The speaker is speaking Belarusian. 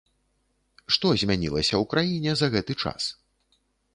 Што змянілася ў краіне за гэты час?